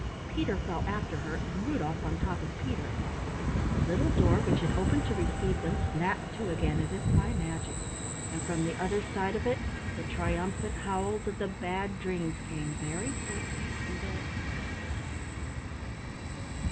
Peter fell after her and Rudolf on top of Peter. The little door which had opened to receive them snapped to again, as if by magic, and from the other side of it the triumphant howls of the Bad Dreams came very faintly to their ears.